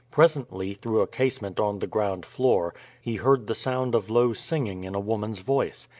Presently, through a casement on the ground floor, he heard the sound of low singing in a woman's voice.